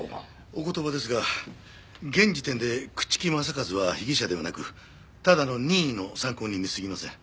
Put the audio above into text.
お言葉ですが現時点で朽木政一は被疑者ではなくただの任意の参考人に過ぎません。